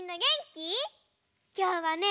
きょうはね